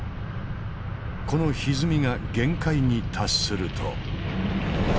このひずみが限界に達すると。